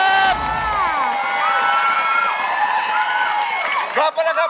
สวัสดีครับ